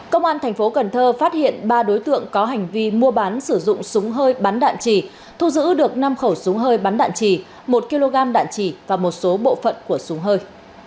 công an thành phố cần thơ phát hiện ba đối tượng có hành vi mua bán sử dụng súng hơi bắn đạn trì thu giữ được năm khẩu súng hơi bắn đạn trì một kg đạn trì và một số bộ phận của súng hơi